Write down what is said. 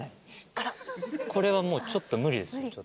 これはもうちょっと無理です